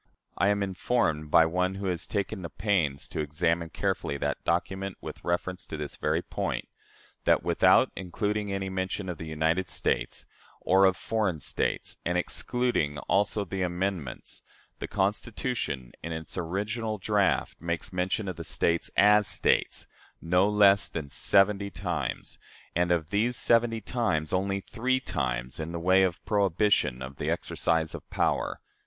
I am informed, by one who has taken the pains to examine carefully that document with reference to this very point, that without including any mention of "the United States" or of "foreign states," and excluding also the amendments the Constitution, in its original draft, makes mention of the States, as States, no less than seventy times; and of these seventy times, only three times in the way of prohibition of the exercise of a power.